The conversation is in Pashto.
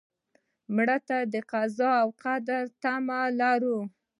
مړه ته د قضا او قدر تمه لرو